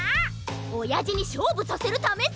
おやじにしょうぶさせるためさ！